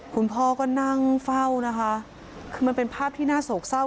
คุณพ่อก็นั่งเฝ้านะคะคือมันเป็นภาพที่น่าโศกเศร้า